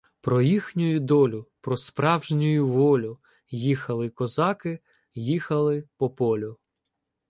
Про їхнюю долю, про справжнюю волю. Їхали козаки, їхали по полю...